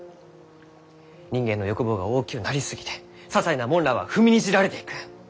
人間の欲望が大きゅうなりすぎてささいなもんらあは踏みにじられていく。